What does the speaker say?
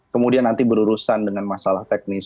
kemudian nanti berurusan dengan masalah teknis